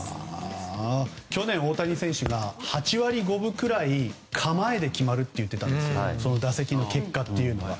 去年、大谷選手が８割５分くらい構えで決まるといっていましたがその打席の結果というのが。